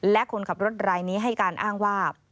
และคนขับรถรายนี้ให้การอ้างว่า